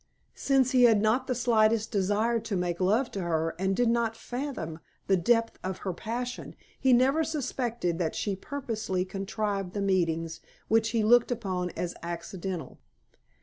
Since he had not the slightest desire to make love to her, and did not fathom the depth of her passion, he never suspected that she purposely contrived the meetings which he looked upon as accidental.